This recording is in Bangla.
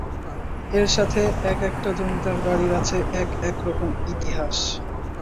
এর সাথে এক-একটা জমিদার বাড়ির আছে এক একরকম ইতিহাস।